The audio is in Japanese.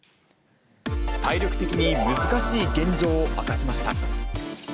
体力的に難しい現状を明かしました。